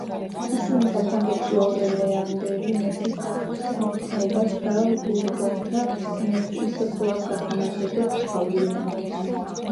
ისინი საფრანგეთში ორლეანელი მეფის დასამხობად და ბურბონთა დინასტიის კვლავ გასამეფებლად ჩავიდნენ.